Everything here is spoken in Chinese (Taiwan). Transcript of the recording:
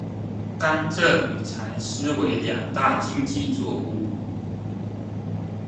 甘蔗與蠶絲為兩大經濟作物